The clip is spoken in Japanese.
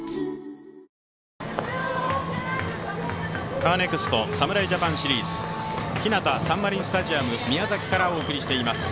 カーネクスト侍ジャパンシリーズひなたサンマリンスタジアム宮崎からお送りしています。